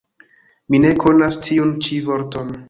Mi ne konas tiun ĉi vorton.